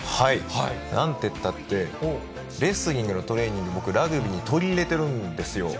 なんてったって、レスリングのトレーニング、僕、ラグビーに取り入れているんですよ。